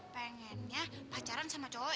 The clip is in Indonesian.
pengennya pacaran sama cowok